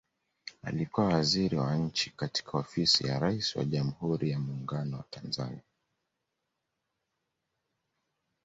Alikuwa Waziri wa Nchi katika Ofisi ya Rais wa Jamhuri ya Muungano wa Tanzania